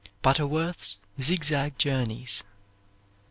Butterworth's "Zig Zag Journeys."